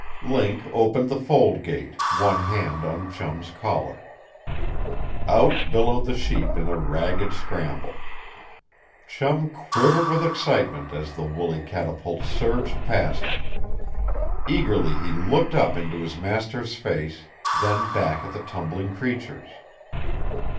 Link opened the fold gate, one hand on Chum's collar. Out billowed the sheep in a ragged scramble. Chum quivered with excitement as the woolly catapults surged past him. Eagerly he looked up into his master's face, then back at the tumbling creatures.